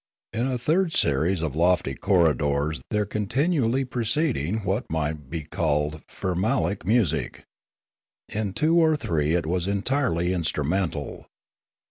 In a third series of lofty corridors there was continually proceeding what might be called firlamaic music. In two or three it was entirely instrumental.